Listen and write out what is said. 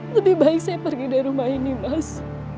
lebih baik saya pergi dari rumah ini mas